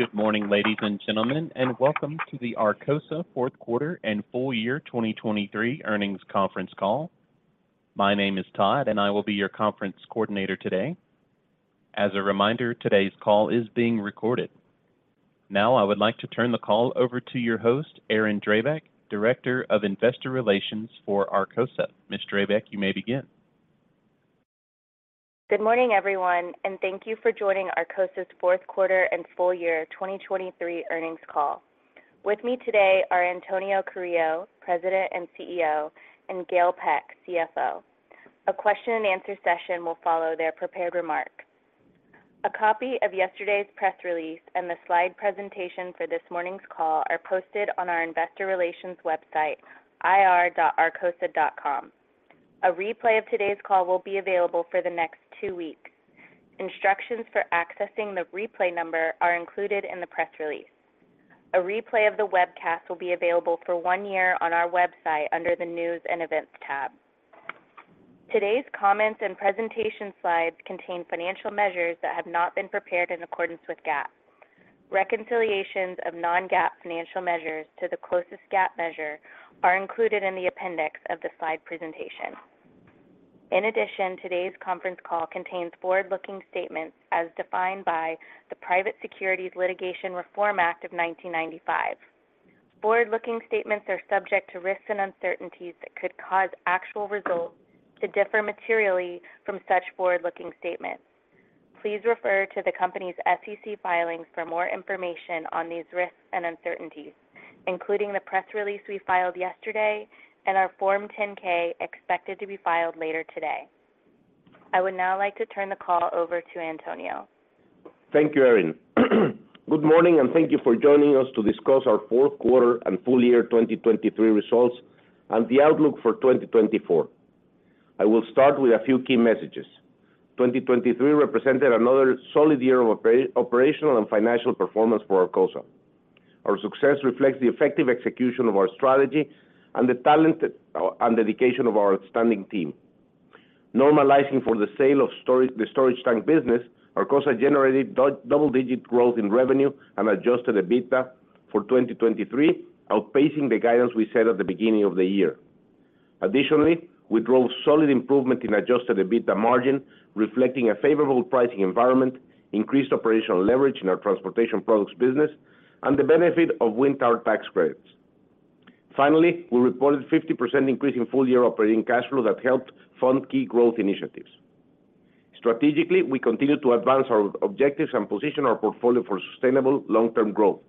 Good morning, ladies and gentlemen, and welcome to the Arcosa Fourth Quarter and Full Year 2023 Earnings Conference Call. My name is Todd, and I will be your conference coordinator today. As a reminder, today's call is being recorded. Now I would like to turn the call over to your host, Erin Drabek, Director of Investor Relations for Arcosa. Miss Drabek, you may begin. Good morning, everyone, and thank you for joining Arcosa's fourth quarter and full year 2023 earnings call. With me today are Antonio Carrillo, President and CEO, and Gail Peck, CFO. A question-and-answer session will follow their prepared remarks. A copy of yesterday's press release and the slide presentation for this morning's call are posted on our investor relations website, ir.arcosa.com. A replay of today's call will be available for the next two weeks. Instructions for accessing the replay number are included in the press release. A replay of the webcast will be available for one year on our website under the News and Events tab. Today's comments and presentation slides contain financial measures that have not been prepared in accordance with GAAP. Reconciliations of non-GAAP financial measures to the closest GAAP measure are included in the appendix of the slide presentation. In addition, today's conference call contains forward-looking statements as defined by the Private Securities Litigation Reform Act of 1995. Forward-looking statements are subject to risks and uncertainties that could cause actual results to differ materially from such forward-looking statements. Please refer to the company's SEC filings for more information on these risks and uncertainties, including the press release we filed yesterday and our Form 10-K expected to be filed later today. I would now like to turn the call over to Antonio. Thank you, Erin. Good morning, and thank you for joining us to discuss our fourth quarter and full year 2023 results and the outlook for 2024. I will start with a few key messages. 2023 represented another solid year of operational and financial performance for Arcosa. Our success reflects the effective execution of our strategy and the talent and dedication of our outstanding team. Normalizing for the sale of the storage tank business, Arcosa generated double-digit growth in revenue and Adjusted EBITDA for 2023, outpacing the guidance we set at the beginning of the year. Additionally, we drove solid improvement in Adjusted EBITDA margin, reflecting a favorable pricing environment, increased operational leverage in our transportation products business, and the benefit of Wind Towers tax credits. Finally, we reported a 50% increase in full-year operating cash flow that helped fund key growth initiatives. Strategically, we continue to advance our objectives and position our portfolio for sustainable long-term growth.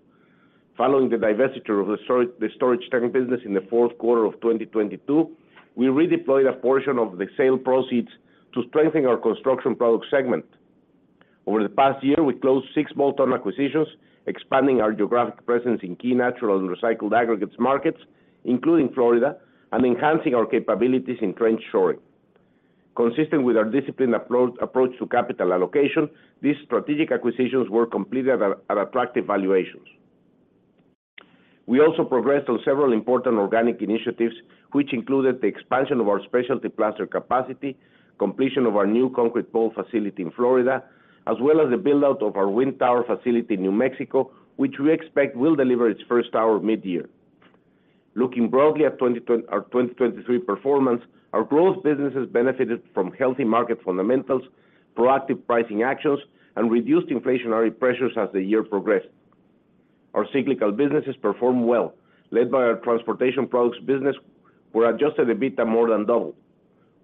Following the divestiture of the storage tank business in the fourth quarter of 2022, we redeployed a portion of the sale proceeds to strengthen our construction product segment. Over the past year, we closed six bolt-on acquisitions, expanding our geographic presence in key natural and recycled aggregates markets, including Florida, and enhancing our capabilities in trench shoring. Consistent with our disciplined approach to capital allocation, these strategic acquisitions were completed at attractive valuations. We also progressed on several important organic initiatives, which included the expansion of our specialty plaster capacity, completion of our new concrete pole facility in Florida, as well as the buildout of our wind tower facility in New Mexico, which we expect will deliver its first tower mid-year. Looking broadly at our 2023 performance, our growth businesses benefited from healthy market fundamentals, proactive pricing actions, and reduced inflationary pressures as the year progressed. Our cyclical businesses performed well, led by our transportation products business, where Adjusted EBITDA more than doubled.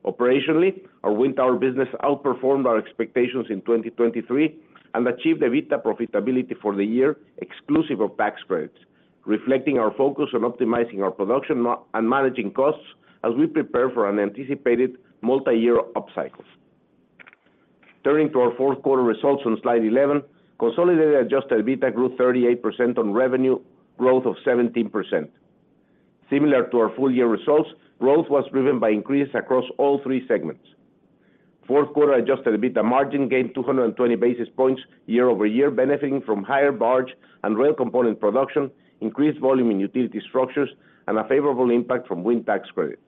Operationally, our wind tower business outperformed our expectations in 2023 and achieved EBITDA profitability for the year exclusive of tax credits, reflecting our focus on optimizing our production and managing costs as we prepare for an anticipated multi-year upcycle. Turning to our fourth quarter results on slide 11, consolidated Adjusted EBITDA grew 38% on revenue growth of 17%. Similar to our full-year results, growth was driven by increases across all three segments. Fourth-quarter Adjusted EBITDA margin gained 220 basis points year-over-year, benefiting from higher barge and rail component production, increased volume in utility structures, and a favorable impact from wind tax credits.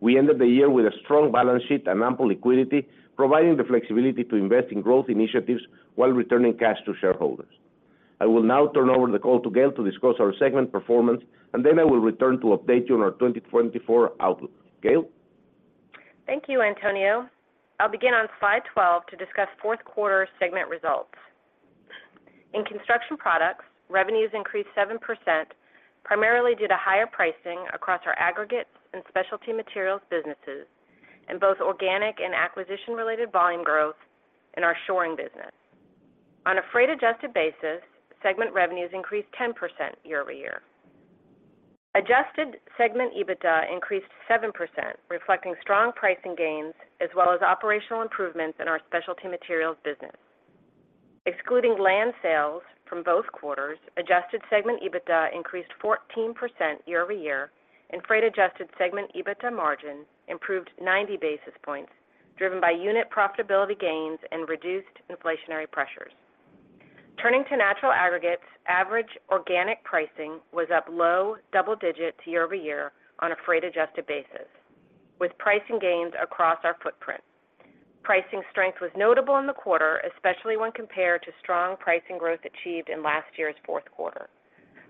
We ended the year with a strong balance sheet and ample liquidity, providing the flexibility to invest in growth initiatives while returning cash to shareholders. I will now turn over the call to Gail to discuss our segment performance, and then I will return to update you on our 2024 outlook. Gail? Thank you, Antonio. I'll begin on slide 12 to discuss fourth quarter segment results. In construction products, revenues increased 7% primarily due to higher pricing across our aggregates and specialty materials businesses, and both organic and acquisition-related volume growth in our shoring business. On a freight-adjusted basis, segment revenues increased 10% year-over-year. Adjusted segment EBITDA increased 7%, reflecting strong pricing gains as well as operational improvements in our specialty materials business. Excluding land sales from both quarters, adjusted segment EBITDA increased 14% year-over-year, and freight-adjusted segment EBITDA margin improved 90 basis points, driven by unit profitability gains and reduced inflationary pressures. Turning to natural aggregates, average organic pricing was up low double-digits year-over-year on a freight-adjusted basis, with pricing gains across our footprint. Pricing strength was notable in the quarter, especially when compared to strong pricing growth achieved in last year's fourth quarter.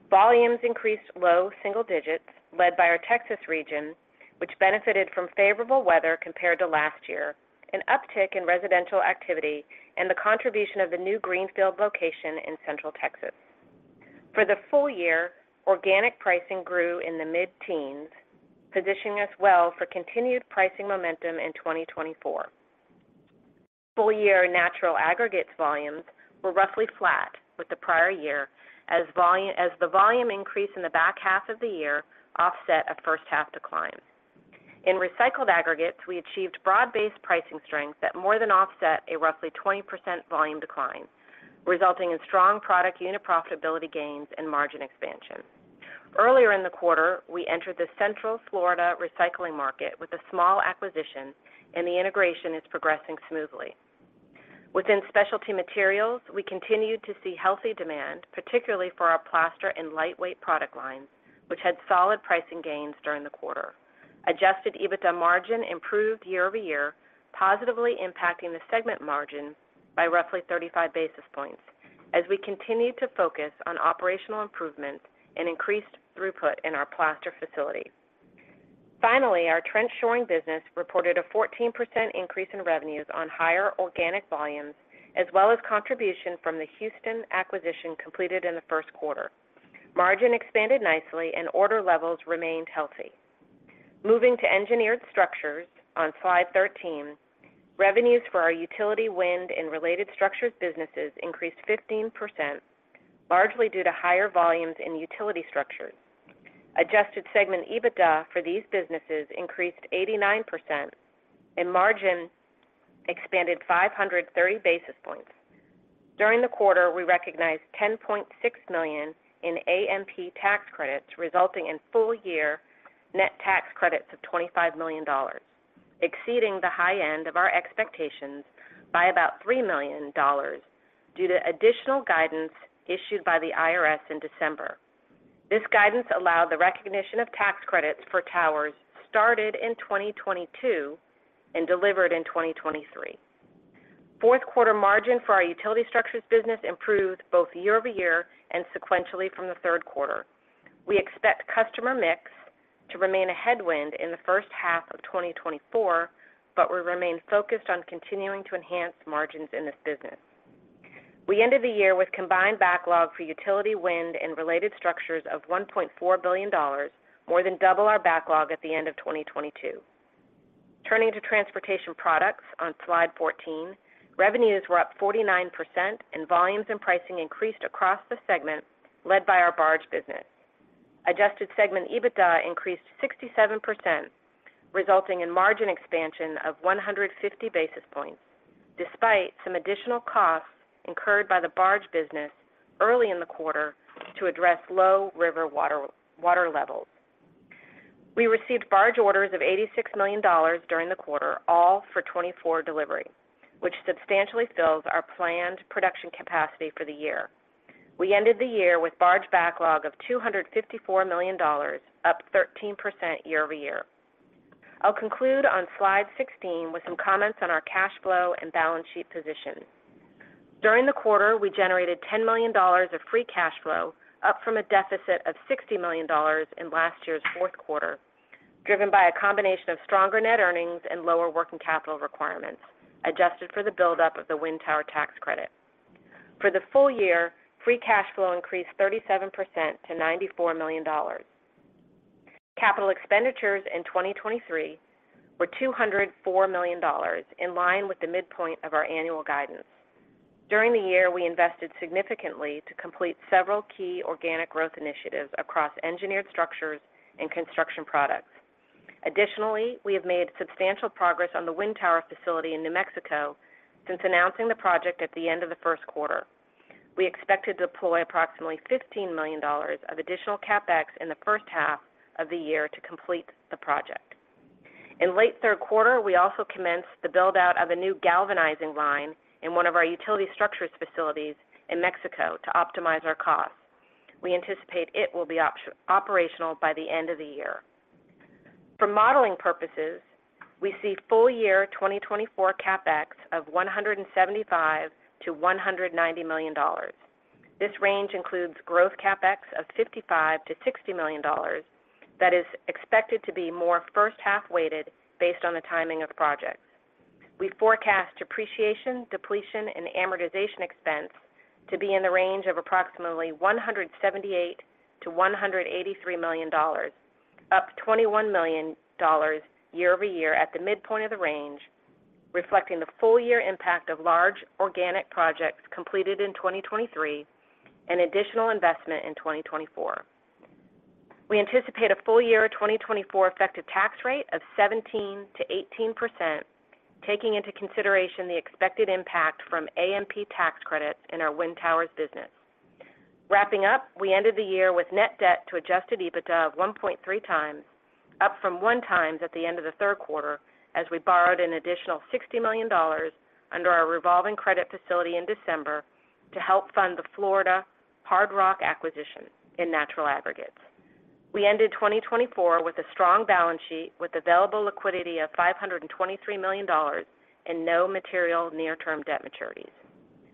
Volumes increased low single digits, led by our Texas region, which benefited from favorable weather compared to last year, an uptick in residential activity, and the contribution of the new greenfield location in Central Texas. For the full year, organic pricing grew in the mid-teens, positioning us well for continued pricing momentum in 2024. Full-year natural aggregates volumes were roughly flat with the prior year, as the volume increase in the back half of the year offset a first-half decline. In recycled aggregates, we achieved broad-based pricing strength that more than offset a roughly 20% volume decline, resulting in strong product unit profitability gains and margin expansion. Earlier in the quarter, we entered the central Florida recycling market with a small acquisition, and the integration is progressing smoothly. Within specialty materials, we continued to see healthy demand, particularly for our plaster and lightweight product lines, which had solid pricing gains during the quarter. Adjusted EBITDA margin improved year-over-year, positively impacting the segment margin by roughly 35 basis points, as we continued to focus on operational improvements and increased throughput in our plaster facility. Finally, our trench shoring business reported a 14% increase in revenues on higher organic volumes, as well as contribution from the Houston acquisition completed in the first quarter. Margin expanded nicely, and order levels remained healthy. Moving to engineered structures on slide 13, revenues for our utility wind and related structures businesses increased 15%, largely due to higher volumes in utility structures. Adjusted segment EBITDA for these businesses increased 89%, and margin expanded 530 basis points. During the quarter, we recognized $10.6 million in AMP Tax Credits, resulting in full-year net tax credits of $25 million, exceeding the high end of our expectations by about $3 million due to additional guidance issued by the IRS in December. This guidance allowed the recognition of tax credits for towers started in 2022 and delivered in 2023. Fourth quarter margin for our utility structures business improved both year-over-year and sequentially from the third quarter. We expect customer mix to remain a headwind in the first half of 2024, but we remain focused on continuing to enhance margins in this business. We ended the year with combined backlog for utility wind and related structures of $1.4 billion, more than double our backlog at the end of 2022. Turning to transportation products on slide 14, revenues were up 49%, and volumes and pricing increased across the segment, led by our barge business. Adjusted segment EBITDA increased 67%, resulting in margin expansion of 150 basis points, despite some additional costs incurred by the barge business early in the quarter to address low river water levels. We received barge orders of $86 million during the quarter, all for 2024 delivery, which substantially fills our planned production capacity for the year. We ended the year with barge backlog of $254 million, up 13% year-over-year. I'll conclude on slide 16 with some comments on our cash flow and balance sheet position. During the quarter, we generated $10 million of free cash flow, up from a deficit of $60 million in last year's fourth quarter, driven by a combination of stronger net earnings and lower working capital requirements, adjusted for the buildup of the wind tower tax credit. For the full year, free cash flow increased 37% to $94 million. Capital expenditures in 2023 were $204 million, in line with the midpoint of our annual guidance. During the year, we invested significantly to complete several key organic growth initiatives across engineered structures and construction products. Additionally, we have made substantial progress on the wind tower facility in New Mexico since announcing the project at the end of the first quarter. We expected to deploy approximately $15 million of additional capex in the first half of the year to complete the project. In late third quarter, we also commenced the buildout of a new galvanizing line in one of our utility structures facilities in Mexico to optimize our costs. We anticipate it will be operational by the end of the year. For modeling purposes, we see full-year 2024 Capex of $175-$190 million. This range includes growth Capex of $55-$60 million that is expected to be more first-half weighted based on the timing of projects. We forecast depreciation, depletion, and amortization expense to be in the range of approximately $178-$183 million, up $21 million year-over-year at the midpoint of the range, reflecting the full-year impact of large organic projects completed in 2023 and additional investment in 2024. We anticipate a full-year 2024 effective tax rate of 17%-18%, taking into consideration the expected impact from AMP tax credits in our Wind Towers business. Wrapping up, we ended the year with net debt to Adjusted EBITDA of 1.3x, up from 1x at the end of the third quarter as we borrowed an additional $60 million under our revolving credit facility in December to help fund the Florida Hard Rock acquisition in natural aggregates. We ended 2024 with a strong balance sheet with available liquidity of $523 million and no material near-term debt maturities.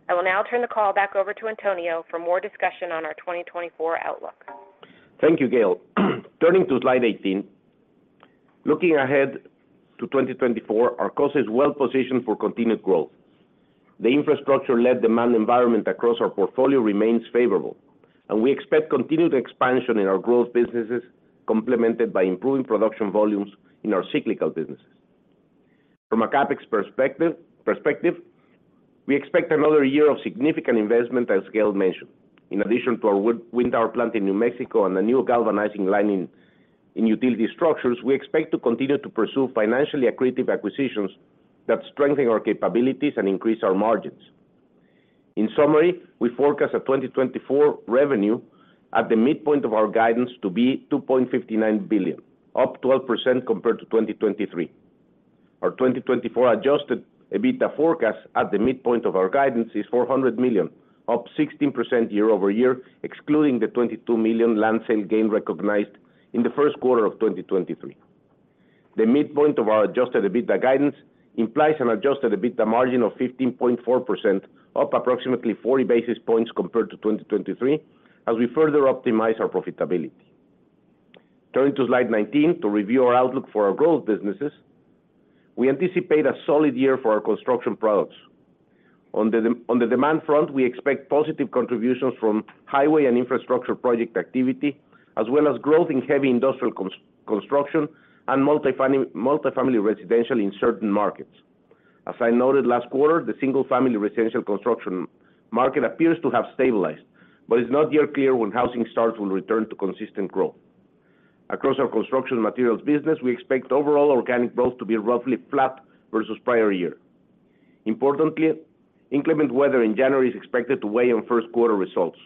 I will now turn the call back over to Antonio for more discussion on our 2024 outlook. Thank you, Gail. Turning to slide 18, looking ahead to 2024, Arcosa is well positioned for continued growth. The infrastructure-led demand environment across our portfolio remains favorable, and we expect continued expansion in our growth businesses, complemented by improving production volumes in our cyclical businesses. From a CapEx perspective, we expect another year of significant investment, as Gail mentioned. In addition to our wind tower plant in New Mexico and the new galvanizing line in utility structures, we expect to continue to pursue financially accretive acquisitions that strengthen our capabilities and increase our margins. In summary, we forecast a 2024 revenue at the midpoint of our guidance to be $2.59 billion, up 12% compared to 2023. Our 2024 Adjusted EBITDA forecast at the midpoint of our guidance is $400 million, up 16% year-over-year, excluding the $22 million land sale gain recognized in the first quarter of 2023. The midpoint of our Adjusted EBITDA guidance implies an Adjusted EBITDA margin of 15.4%, up approximately 40 basis points compared to 2023, as we further optimize our profitability. Turning to slide 19 to review our outlook for our growth businesses, we anticipate a solid year for our construction products. On the demand front, we expect positive contributions from highway and infrastructure project activity, as well as growth in heavy industrial construction and multifamily residential in certain markets. As I noted last quarter, the single-family residential construction market appears to have stabilized, but it's not yet clear when housing starts will return to consistent growth. Across our construction materials business, we expect overall organic growth to be roughly flat versus prior year. Importantly, inclement weather in January is expected to weigh on first quarter results.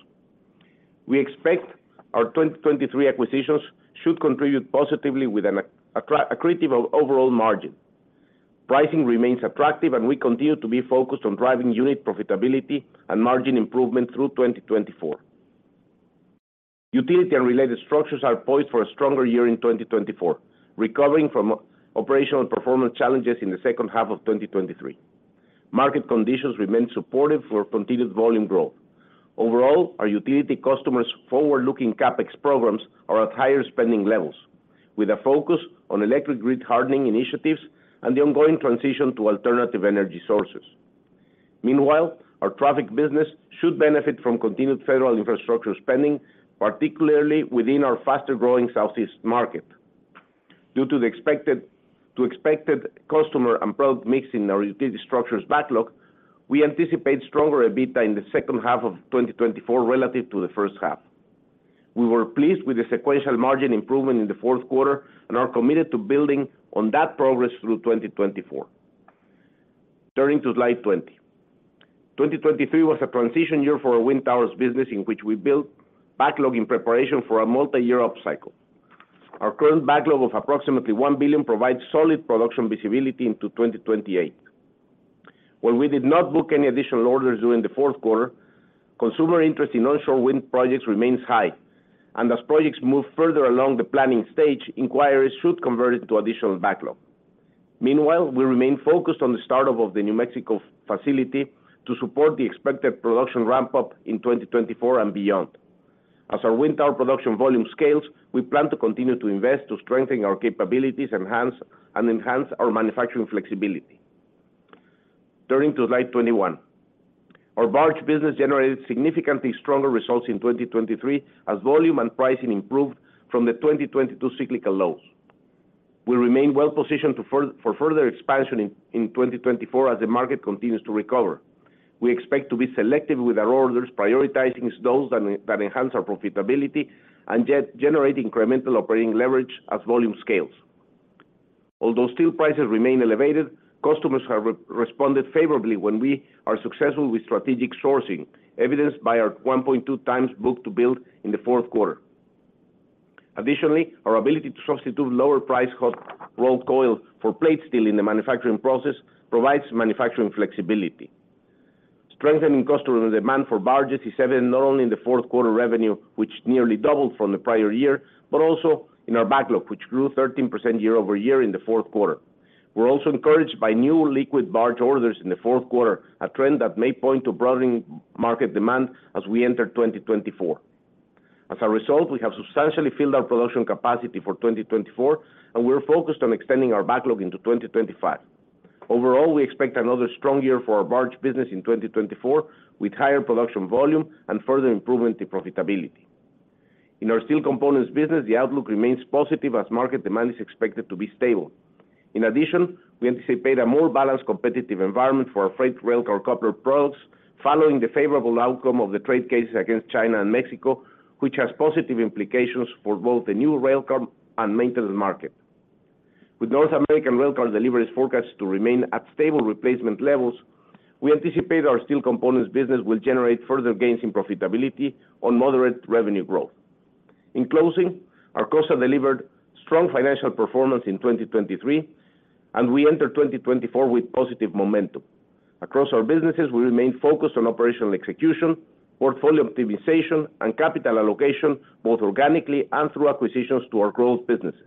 We expect our 2023 acquisitions should contribute positively with an accretive overall margin. Pricing remains attractive, and we continue to be focused on driving unit profitability and margin improvement through 2024. Utility and related structures are poised for a stronger year in 2024, recovering from operational performance challenges in the second half of 2023. Market conditions remain supportive for continued volume growth. Overall, our utility customers' forward-looking Capex programs are at higher spending levels, with a focus on electric grid hardening initiatives and the ongoing transition to alternative energy sources. Meanwhile, our traffic business should benefit from continued federal infrastructure spending, particularly within our faster-growing Southeast market. Due to the expected customer and product mix in our utility structures backlog, we anticipate stronger EBITDA in the second half of 2024 relative to the first half. We were pleased with the sequential margin improvement in the fourth quarter and are committed to building on that progress through 2024. Turning to slide 20, 2023 was a transition year for our Wind Towers business in which we built backlog in preparation for a multi-year upcycle. Our current backlog of approximately $1 billion provides solid production visibility into 2028. While we did not book any additional orders during the fourth quarter, consumer interest in onshore wind projects remains high, and as projects move further along the planning stage, inquiries should convert into additional backlog. Meanwhile, we remain focused on the startup of the New Mexico facility to support the expected production ramp-up in 2024 and beyond. As our wind tower production volume scales, we plan to continue to invest to strengthen our capabilities and enhance our manufacturing flexibility. Turning to slide 21, our barge business generated significantly stronger results in 2023 as volume and pricing improved from the 2022 cyclical lows. We remain well positioned for further expansion in 2024 as the market continues to recover. We expect to be selective with our orders, prioritizing those that enhance our profitability and generate incremental operating leverage as volume scales. Although steel prices remain elevated, customers have responded favorably when we are successful with strategic sourcing, evidenced by our 1.2x book-to-bill in the fourth quarter. Additionally, our ability to substitute lower-priced hot rolled coil for plate steel in the manufacturing process provides manufacturing flexibility. Strengthening customer demand for barges is evident not only in the fourth quarter revenue, which nearly doubled from the prior year, but also in our backlog, which grew 13% year-over-year in the fourth quarter. We're also encouraged by new liquid barge orders in the fourth quarter, a trend that may point to broadening market demand as we enter 2024. As a result, we have substantially filled our production capacity for 2024, and we're focused on extending our backlog into 2025. Overall, we expect another strong year for our barge business in 2024 with higher production volume and further improvement in profitability. In our steel components business, the outlook remains positive as market demand is expected to be stable. In addition, we anticipate a more balanced competitive environment for our freight railcar coupler products, following the favorable outcome of the trade cases against China and Mexico, which has positive implications for both the new railcar and maintenance market. With North American railcar deliveries forecast to remain at stable replacement levels, we anticipate our steel components business will generate further gains in profitability on moderate revenue growth. In closing, Arcosa delivered strong financial performance in 2023, and we enter 2024 with positive momentum. Across our businesses, we remain focused on operational execution, portfolio optimization, and capital allocation, both organically and through acquisitions to our growth businesses.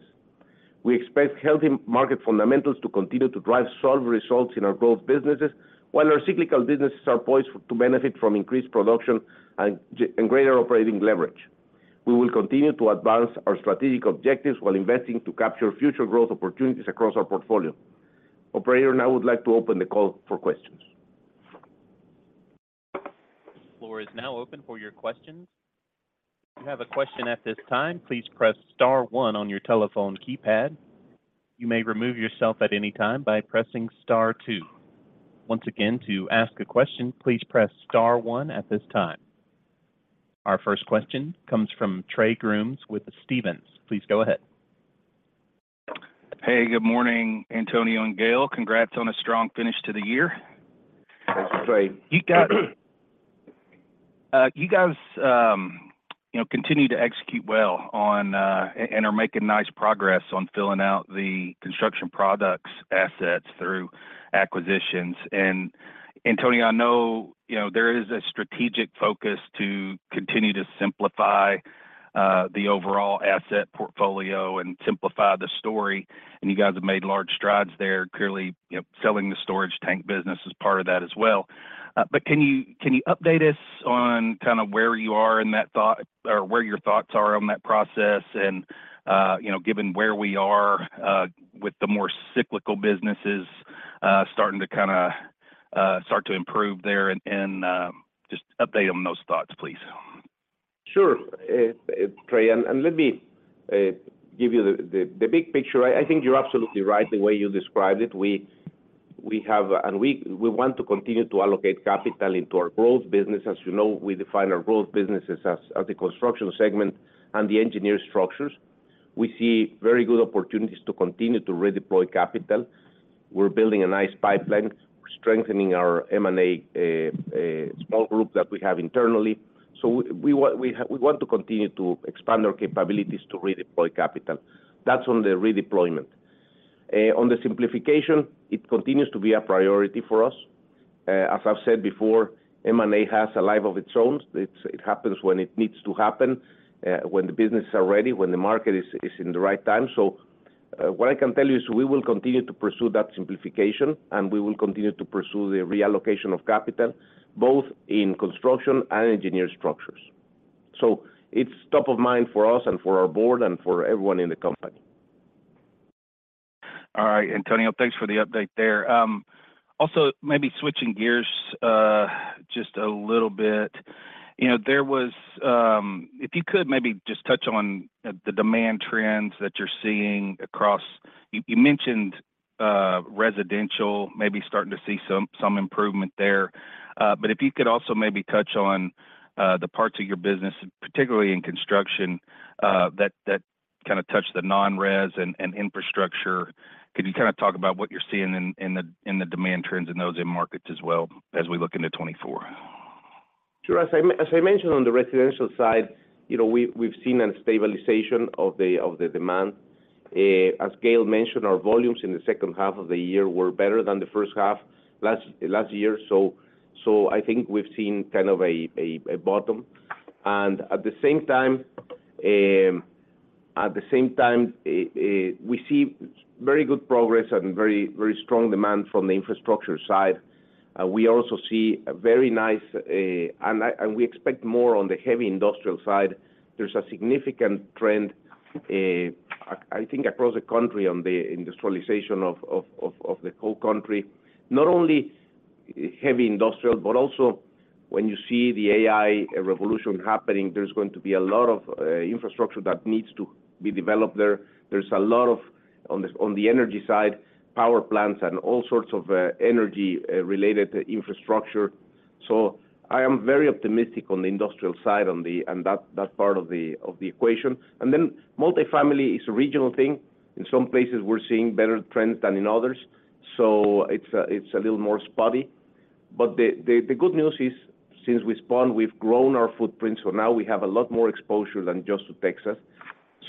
We expect healthy market fundamentals to continue to drive solid results in our growth businesses, while our cyclical businesses are poised to benefit from increased production and greater operating leverage. We will continue to advance our strategic objectives while investing to capture future growth opportunities across our portfolio. Operator, now would like to open the call for questions. The floor is now open for your questions. If you have a question at this time, please press star one on your telephone keypad. You may remove yourself at any time by pressing star two. Once again, to ask a question, please press star one at this time. Our first question comes from Trey Grooms with Stephens. Please go ahead. Hey, good morning, Antonio and Gail. Congrats on a strong finish to the year. Thanks, Trey. You guys continue to execute well and are making nice progress on filling out the construction products assets through acquisitions. And Antonio, I know there is a strategic focus to continue to simplify the overall asset portfolio and simplify the story. And you guys have made large strides there, clearly selling the storage tank business as part of that as well. But can you update us on kind of where you are in that thought or where your thoughts are on that process? And given where we are with the more cyclical businesses starting to kind of start to improve there, just update on those thoughts, please. Sure, Trey. Let me give you the big picture. I think you're absolutely right the way you described it. We have and we want to continue to allocate capital into our growth business. As you know, we define our growth businesses as the construction segment and the engineered structures. We see very good opportunities to continue to redeploy capital. We're building a nice pipeline, strengthening our M&A small group that we have internally. We want to continue to expand our capabilities to redeploy capital. That's on the redeployment. On the simplification, it continues to be a priority for us. As I've said before, M&A has a life of its own. It happens when it needs to happen, when the businesses are ready, when the market is in the right time. What I can tell you is we will continue to pursue that simplification, and we will continue to pursue the reallocation of capital, both in construction and engineered structures. It's top of mind for us and for our board and for everyone in the company. All right, Antonio, thanks for the update there. Also, maybe switching gears just a little bit. There was, if you could, maybe just touch on the demand trends that you're seeing across. You mentioned residential, maybe starting to see some improvement there. But if you could also maybe touch on the parts of your business, particularly in construction, that kind of touch the non-res and infrastructure, could you kind of talk about what you're seeing in the demand trends in those markets as well as we look into 2024? Sure. As I mentioned, on the residential side, we've seen a stabilization of the demand. As Gail mentioned, our volumes in the second half of the year were better than the first half last year. So I think we've seen kind of a bottom. And at the same time, we see very good progress and very strong demand from the infrastructure side. We also see a very nice and we expect more on the heavy industrial side. There's a significant trend, I think, across the country on the industrialization of the whole country, not only heavy industrial, but also when you see the AI revolution happening, there's going to be a lot of infrastructure that needs to be developed there. There's a lot of on the energy side, power plants and all sorts of energy-related infrastructure. So I am very optimistic on the industrial side and that part of the equation. And then multifamily is a regional thing. In some places, we're seeing better trends than in others. So it's a little more spotty. But the good news is, since we spun, we've grown our footprint. So now we have a lot more exposure than just to Texas.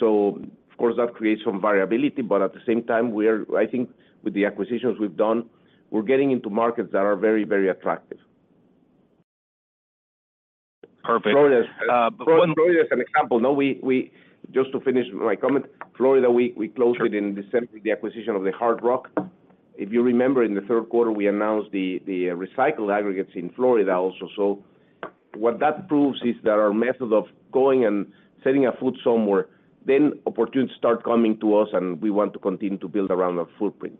So, of course, that creates some variability. But at the same time, I think with the acquisitions we've done, we're getting into markets that are very, very attractive. Perfect. Florida is an example. Just to finish my comment, Florida, we closed it in December, the acquisition of the Hard Rock. If you remember, in the third quarter, we announced the recycled aggregates in Florida also. So what that proves is that our method of going and setting a foot somewhere, then opportunities start coming to us, and we want to continue to build around our footprint.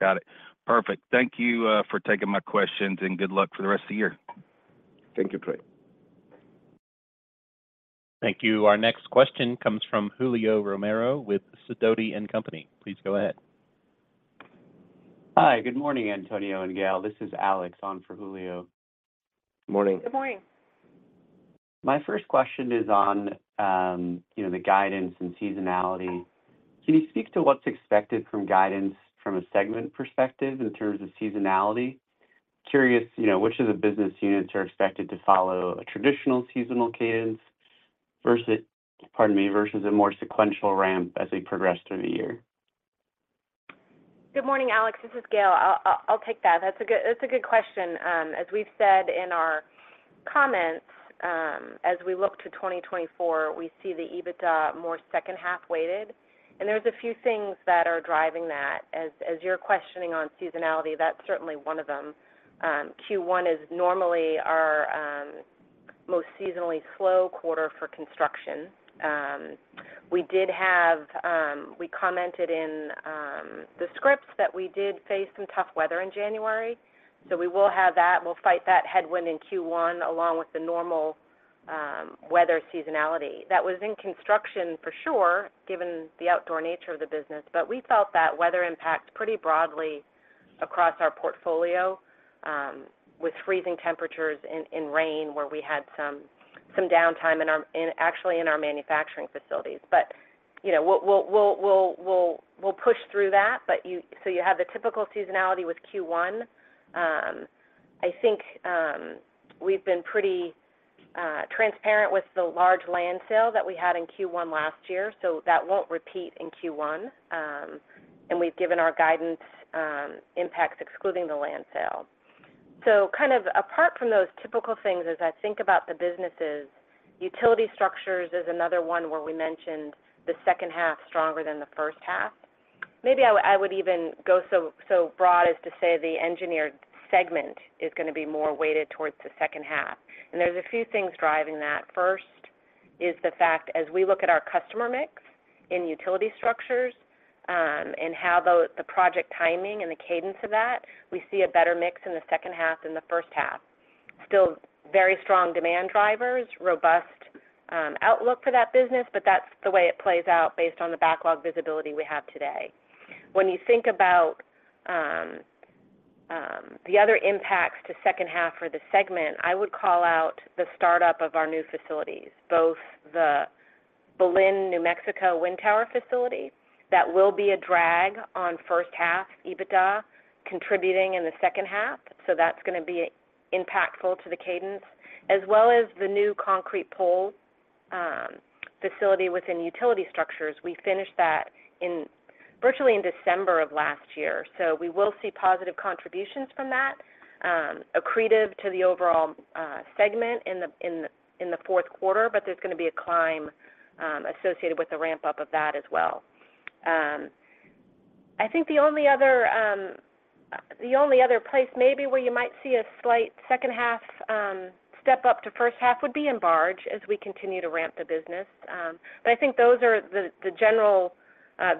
Got it. Perfect. Thank you for taking my questions, and good luck for the rest of the year. Thank you, Trey. Thank you. Our next question comes from Julio Romero with Sidoti & Company. Please go ahead. Hi. Good morning, Antonio and Gail. This is Alex on for Julio. Good morning. Good morning. My first question is on the guidance and seasonality. Can you speak to what's expected from guidance from a segment perspective in terms of seasonality? Curious, which of the business units are expected to follow a traditional seasonal cadence versus pardon me, versus a more sequential ramp as they progress through the year? Good morning, Alex. This is Gail. I'll take that. That's a good question. As we've said in our comments, as we look to 2024, we see the EBITDA more second-half weighted. There's a few things that are driving that. As you're questioning on seasonality, that's certainly one of them. Q1 is normally our most seasonally slow quarter for construction. We commented in the scripts that we did face some tough weather in January. So we will have that. We'll fight that headwind in Q1 along with the normal weather seasonality. That was in construction, for sure, given the outdoor nature of the business. But we felt that weather impacts pretty broadly across our portfolio, with freezing temperatures in rain where we had some downtime actually in our manufacturing facilities. But we'll push through that. So you have the typical seasonality with Q1. I think we've been pretty transparent with the large land sale that we had in Q1 last year. So that won't repeat in Q1. And we've given our guidance impacts excluding the land sale. So kind of apart from those typical things, as I think about the businesses, utility structures is another one where we mentioned the second half stronger than the first half. Maybe I would even go so broad as to say the engineered segment is going to be more weighted towards the second half. And there's a few things driving that. First is the fact, as we look at our customer mix in utility structures and how the project timing and the cadence of that, we see a better mix in the second half than the first half. Still very strong demand drivers, robust outlook for that business, but that's the way it plays out based on the backlog visibility we have today. When you think about the other impacts to second half for the segment, I would call out the startup of our new facilities, both the Belen, New Mexico wind tower facility. That will be a drag on first half EBITDA, contributing in the second half. So that's going to be impactful to the cadence, as well as the new concrete pole facility within utility structures. We finished that virtually in December of last year. So we will see positive contributions from that, accretive to the overall segment in the fourth quarter. But there's going to be a climb associated with the ramp-up of that as well. I think the only other place maybe where you might see a slight second half step up to first half would be in barge as we continue to ramp the business. But I think those are the general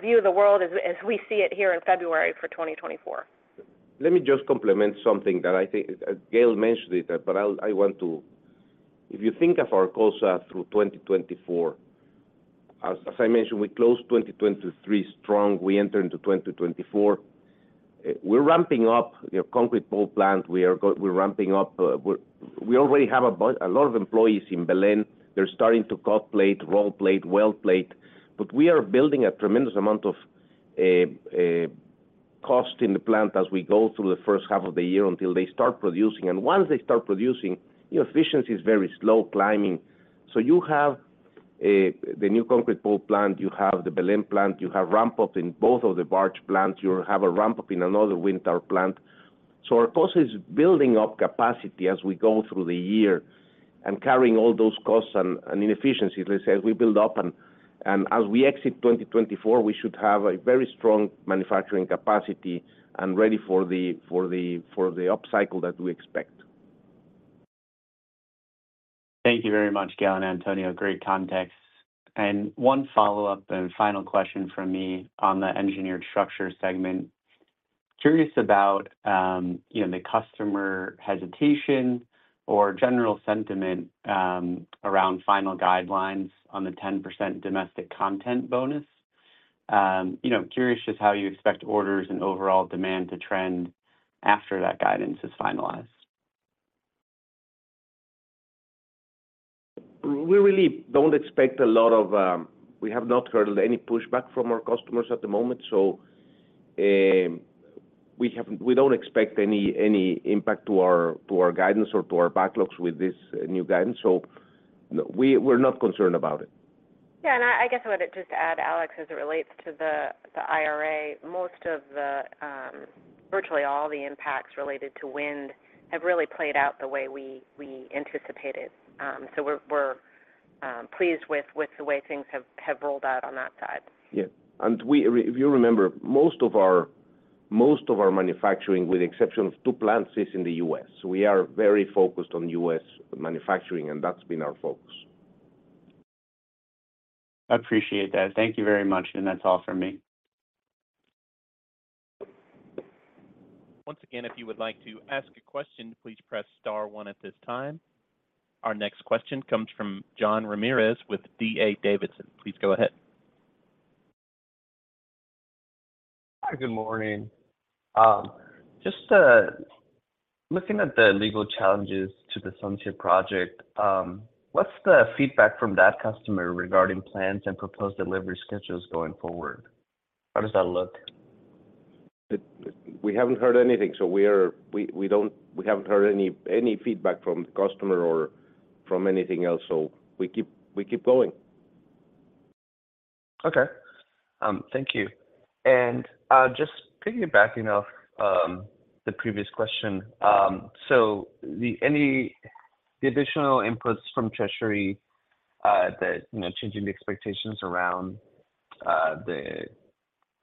view of the world as we see it here in February for 2024. Let me just complement something that I think Gail mentioned, but I want to, if you think of Arcosa through 2024, as I mentioned, we closed 2023 strong. We entered into 2024. We're ramping up concrete pole plant. We're ramping up. We already have a lot of employees in Belen. They're starting to cut plate, roll plate, weld plate. But we are building a tremendous amount of cost in the plant as we go through the first half of the year until they start producing. And once they start producing, efficiency is very slow climbing. So you have the new concrete pole plant. You have the Belen plant. You have ramp-up in both of the barge plants. You have a ramp-up in another wind tower plant. So Arcosa is building up capacity as we go through the year and carrying all those costs and inefficiencies. Let's say as we build up and as we exit 2024, we should have a very strong manufacturing capacity and ready for the upcycle that we expect. Thank you very much, Gail and Antonio. Great context. One follow-up and final question from me on the Engineered Structures segment. Curious about the customer hesitation or general sentiment around final guidelines on the 10% domestic content bonus? Curious just how you expect orders and overall demand to trend after that guidance is finalized? We really don't expect. We have not heard any pushback from our customers at the moment. So we don't expect any impact to our guidance or to our backlogs with this new guidance. So we're not concerned about it. Yeah. And I guess I would just add, Alex, as it relates to the IRA, most of the virtually all the impacts related to wind have really played out the way we anticipated. So we're pleased with the way things have rolled out on that side. Yeah. If you remember, most of our manufacturing, with the exception of two plants, is in the U.S. We are very focused on U.S. manufacturing, and that's been our focus. Appreciate that. Thank you very much. That's all from me. Once again, if you would like to ask a question, please press star one at this time. Our next question comes from Jean Ramirez with D.A. Davidson. Please go ahead. Hi. Good morning. Just looking at the legal challenges to the SunZia project, what's the feedback from that customer regarding plans and proposed delivery schedules going forward? How does that look? We haven't heard anything. So we haven't heard any feedback from the customer or from anything else. So we keep going. Okay. Thank you. And just piggybacking off the previous question, so the additional inputs from Treasury that changing the expectations around the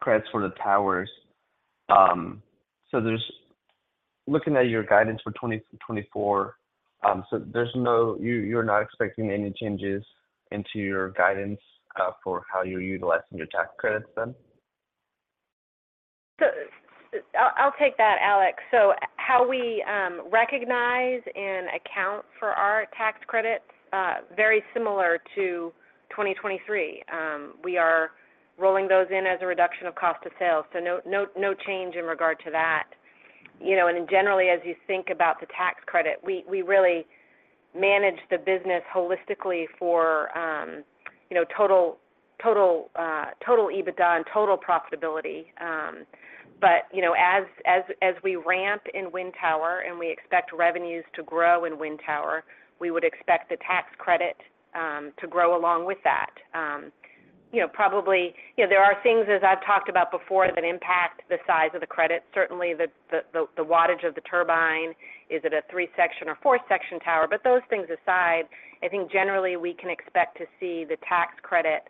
credits for the towers, so looking at your guidance for 2024, so you're not expecting any changes into your guidance for how you're utilizing your tax credits then? I'll take that, Jean. So how we recognize and account for our tax credits, very similar to 2023, we are rolling those in as a reduction of cost of sales. So no change in regard to that. And generally, as you think about the tax credit, we really manage the business holistically for total EBITDA and total profitability. But as we ramp in wind tower and we expect revenues to grow in wind tower, we would expect the tax credit to grow along with that. Probably, there are things, as I've talked about before, that impact the size of the credit. Certainly, the wattage of the turbine, is it a three-section or four-section tower? But those things aside, I think generally, we can expect to see the tax credit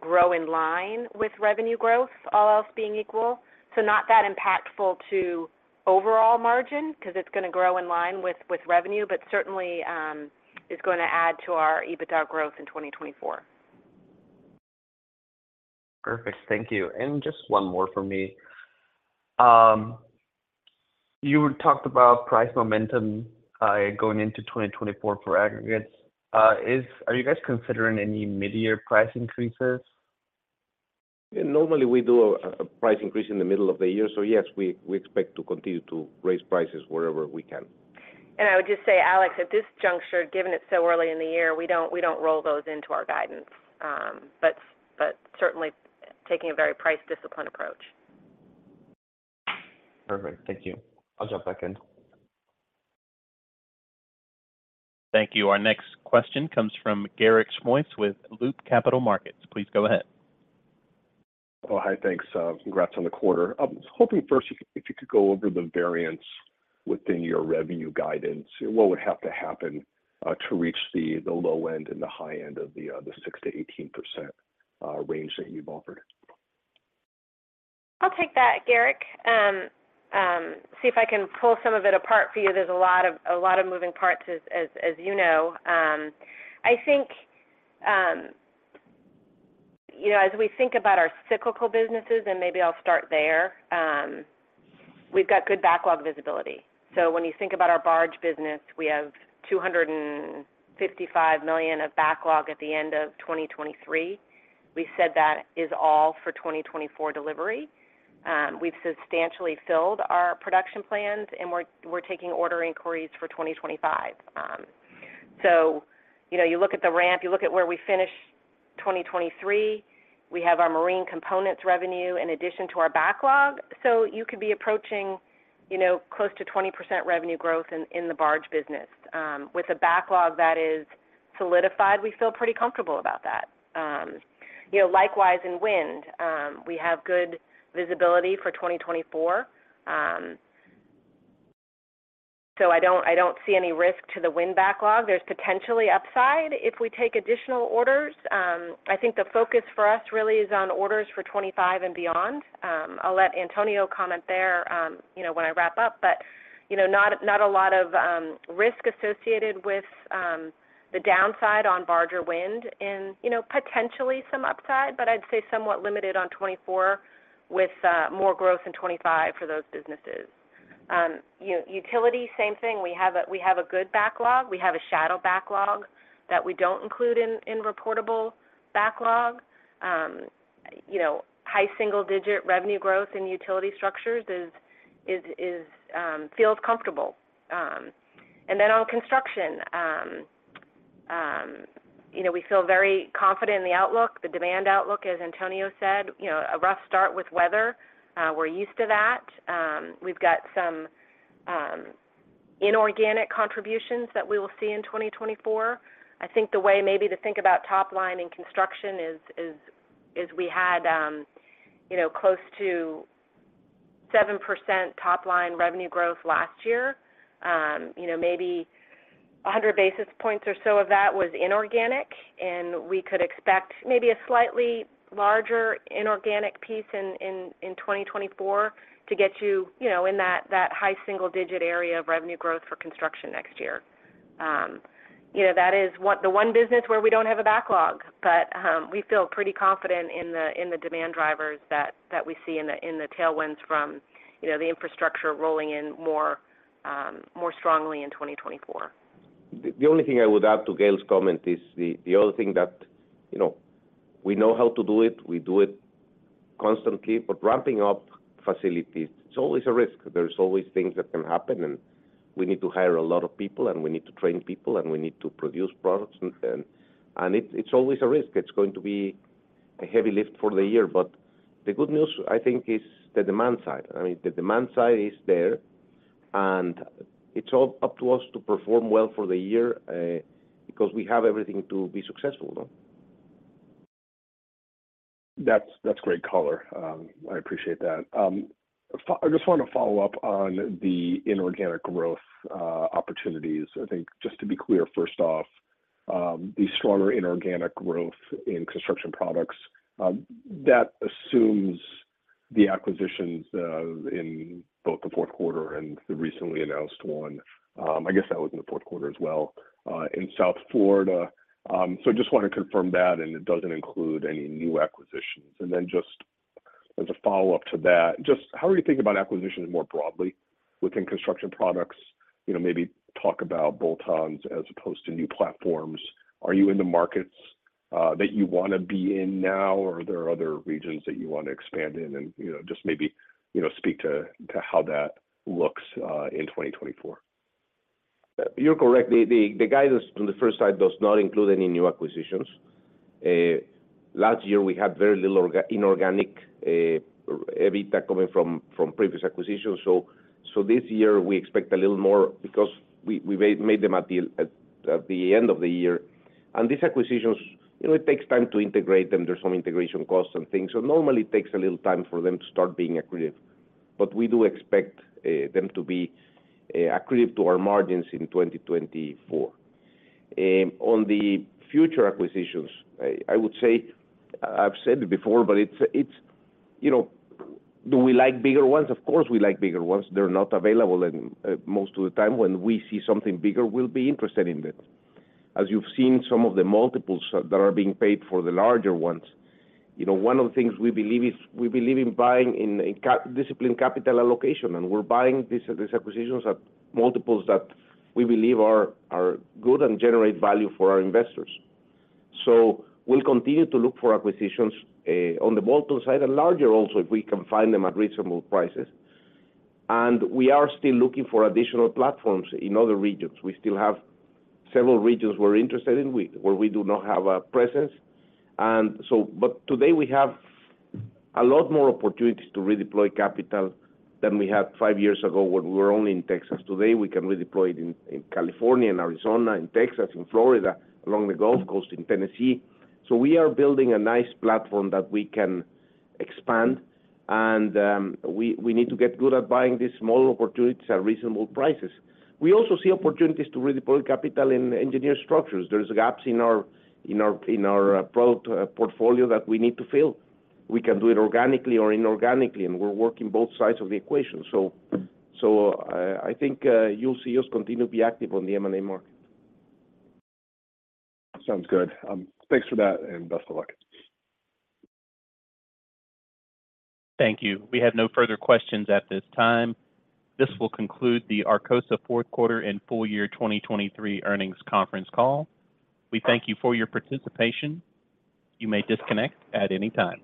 grow in line with revenue growth, all else being equal. Not that impactful to overall margin because it's going to grow in line with revenue, but certainly is going to add to our EBITDA growth in 2024. Perfect. Thank you. Just one more from me. You talked about price momentum going into 2024 for aggregates. Are you guys considering any mid-year price increases? Normally, we do a price increase in the middle of the year. So yes, we expect to continue to raise prices wherever we can. I would just say, Jean, at this juncture, given it's so early in the year, we don't roll those into our guidance, but certainly taking a very price discipline approach. Perfect. Thank you. I'll jump back in. Thank you. Our next question comes from Garik Shmois with Loop Capital Markets. Please go ahead. Oh, hi. Thanks. Congrats on the quarter. I'm hoping first if you could go over the variance within your revenue guidance. What would have to happen to reach the low end and the high end of the 6%-18% range that you've offered? I'll take that, Garik. See if I can pull some of it apart for you. There's a lot of moving parts, as you know. I think as we think about our cyclical businesses and maybe I'll start there, we've got good backlog visibility. So when you think about our barge business, we have $255 million of backlog at the end of 2023. We said that is all for 2024 delivery. We've substantially filled our production plans, and we're taking order inquiries for 2025. So you look at the ramp, you look at where we finish 2023, we have our marine components revenue in addition to our backlog. So you could be approaching close to 20% revenue growth in the barge business. With a backlog that is solidified, we feel pretty comfortable about that. Likewise, in wind, we have good visibility for 2024. So I don't see any risk to the wind backlog. There's potentially upside if we take additional orders. I think the focus for us really is on orders for 2025 and beyond. I'll let Antonio comment there when I wrap up. But not a lot of risk associated with the downside on barge or wind and potentially some upside, but I'd say somewhat limited on 2024 with more growth in 2025 for those businesses. Utility, same thing. We have a good backlog. We have a shadow backlog that we don't include in reportable backlog. High single-digit revenue growth in utility structures feels comfortable. And then on construction, we feel very confident in the outlook, the demand outlook, as Antonio said. A rough start with weather. We're used to that. We've got some inorganic contributions that we will see in 2024. I think the way maybe to think about top line in construction is we had close to 7% top line revenue growth last year. Maybe 100 basis points or so of that was inorganic, and we could expect maybe a slightly larger inorganic piece in 2024 to get you in that high single-digit area of revenue growth for construction next year. That is the one business where we don't have a backlog, but we feel pretty confident in the demand drivers that we see in the tailwinds from the infrastructure rolling in more strongly in 2024. The only thing I would add to Gail's comment is the other thing that we know how to do it. We do it constantly. But ramping up facilities, it's always a risk. There's always things that can happen, and we need to hire a lot of people, and we need to train people, and we need to produce products. And it's always a risk. It's going to be a heavy lift for the year. But the good news, I think, is the demand side. I mean, the demand side is there, and it's all up to us to perform well for the year because we have everything to be successful, though. That's great color. I appreciate that. I just want to follow up on the inorganic growth opportunities. I think just to be clear, first off, the stronger inorganic growth in construction products, that assumes the acquisitions in both the fourth quarter and the recently announced one. I guess that was in the fourth quarter as well in South Florida. So I just want to confirm that, and it doesn't include any new acquisitions. And then just as a follow-up to that, just how are you thinking about acquisitions more broadly within construction products? Maybe talk about bolt-ons as opposed to new platforms. Are you in the markets that you want to be in now, or are there other regions that you want to expand in? And just maybe speak to how that looks in 2024. You're correct. The guidance from the first side does not include any new acquisitions. Last year, we had very little inorganic EBITDA coming from previous acquisitions. So this year, we expect a little more because we made them at the end of the year. And these acquisitions, it takes time to integrate them. There's some integration costs and things. So normally, it takes a little time for them to start being accretive. But we do expect them to be accretive to our margins in 2024. On the future acquisitions, I would say I've said it before, but it's do we like bigger ones? Of course, we like bigger ones. They're not available. And most of the time, when we see something bigger, we'll be interested in it. As you've seen some of the multiples that are being paid for the larger ones, one of the things we believe in buying in disciplined capital allocation, and we're buying these acquisitions at multiples that we believe are good and generate value for our investors. So we'll continue to look for acquisitions on the bolt-on side and larger also, if we can find them at reasonable prices. We are still looking for additional platforms in other regions. We still have several regions we're interested in where we do not have a presence. Today, we have a lot more opportunities to redeploy capital than we had five years ago when we were only in Texas. Today, we can redeploy it in California, in Arizona, in Texas, in Florida, along the Gulf Coast, in Tennessee. So we are building a nice platform that we can expand, and we need to get good at buying these small opportunities at reasonable prices. We also see opportunities to redeploy capital in engineered structures. There's gaps in our product portfolio that we need to fill. We can do it organically or inorganically, and we're working both sides of the equation. So I think you'll see us continue to be active on the M&A market. Sounds good. Thanks for that, and best of luck. Thank you. We have no further questions at this time. This will conclude the Arcosa Fourth Quarter and Full Year 2023 Earnings Conference call. We thank you for your participation. You may disconnect at any time.